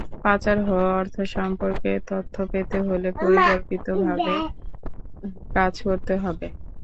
পাচার হওয়া অর্থ সম্পর্কে তথ্য পেতে হলে পরিকল্পিতভাবে কাজ করতে হবে।